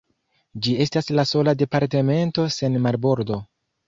Ĝi estas la sola departemento sen marbordo.